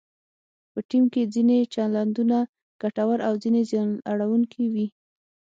په ټیم کې ځینې چلندونه ګټور او ځینې زیان اړونکي وي.